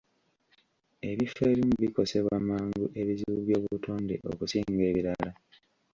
Ebifo ebimu bikosebwa mangu ebizibu by'obutonde okusinga ebirala.